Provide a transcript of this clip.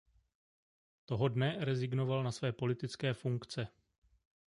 Toho dne rezignoval na své politické funkce.